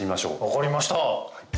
分かりました。